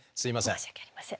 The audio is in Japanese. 申し訳ありません。